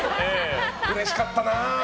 うれしかったな。